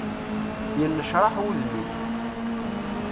Yennecraḥ wudem-ik.